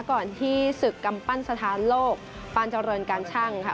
ก่อนที่ศึกกำปั้นสถานโลกปานเจริญการชั่งค่ะ